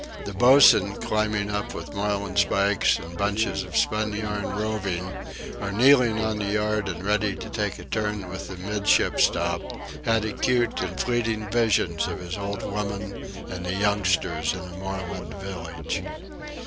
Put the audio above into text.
The boatswain, climbing up with marlinspikes and bunches of spunyarn rovings, or kneeling on the yard and ready to take a turn with the midship stop, had acute and fleeting visions of his old woman and the youngsters in a moorland village.